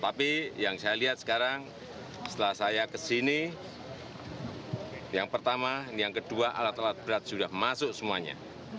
tapi yang saya lihat sekarang setelah saya kesini yang pertama yang kedua alat alat berat sudah masuk semuanya